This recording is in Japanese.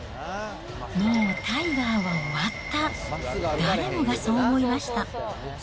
もうタイガーは終わった、誰もがそう思いました。